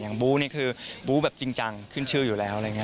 บู๊นี่คือบู๊แบบจริงจังขึ้นชื่ออยู่แล้วอะไรอย่างนี้